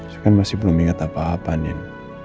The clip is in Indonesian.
saya kan masih belum ingat apa apa nih